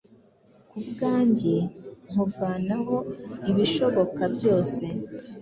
kubwange nkuvanaho ibishoboka byose